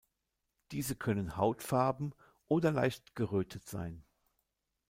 Diese können hautfarben oder leicht gerötet sein.